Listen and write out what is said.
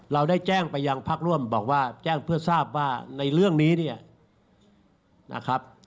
เราได้แจ้งไปยังพักร่วมบอกว่าแจ้งเพื่อทราบว่าในเรื่องนี้เนี่ยนะครับ